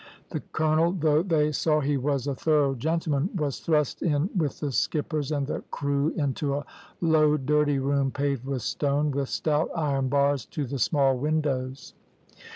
The colonel, though they saw he was a thorough gentleman, was thrust in with the skippers and the crew into a low dirty room paved with stone, with stout iron bars to the small windows.